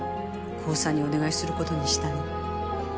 ＫＯＯさんにお願いすることにしたの。